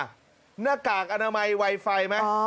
หน้ากากอนามัยไวไฟไหม